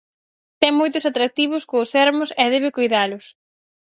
Ten moitos atractivos, co o Sermos, e debe coidalos.